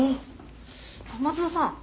松戸さん。